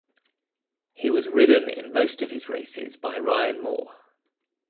He was ridden in most of his races by Ryan Moore.